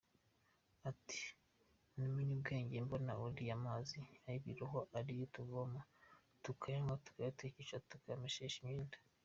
Ati ‘’ Namenye ubwenge mbona ariya mazi y’ibirohwa ariyo tuvoma tukayanywa, tukayatekesha tukayamesesha imyenda .